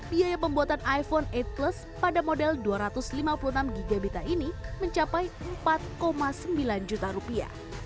biaya pembuatan iphone delapan plus pada model dua ratus lima puluh enam gb ini mencapai empat sembilan juta rupiah